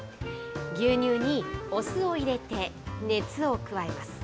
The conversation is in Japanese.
牛乳にお酢を入れて、熱を加えます。